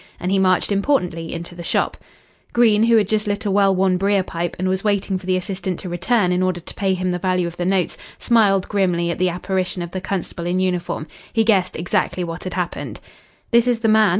And he marched importantly into the shop. Green, who had just lit a well worn brier pipe, and was waiting for the assistant to return in order to pay him the value of the notes, smiled grimly at the apparition of the constable in uniform. He guessed exactly what had happened. "This is the man?"